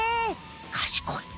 かしこい。